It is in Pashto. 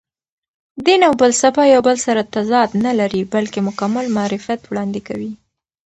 دین او فلسفه یو بل سره تضاد نه لري، بلکې مکمل معرفت وړاندې کوي.